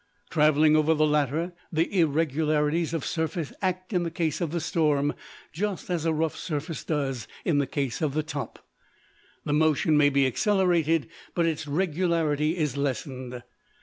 Traveling over the latter, the irregularities of surface act in the case of the storm just as a rough surface does in the case of the top. The motion may be accelerated, but its regularity is lessened.